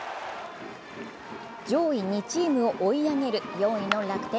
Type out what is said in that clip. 上位２チームを追い上げる４位の楽天。